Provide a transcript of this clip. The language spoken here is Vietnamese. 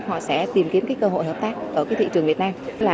họ sẽ tìm kiếm cái cơ hội hợp tác ở thị trường việt nam